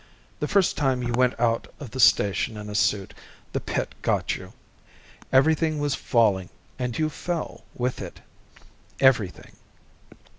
The first time you went out of the station in a suit, the pit got you. Everything was falling, and you fell, with it. Everything.